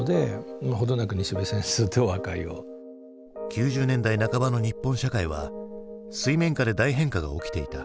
９０年代半ばの日本社会は水面下で大変化が起きていた。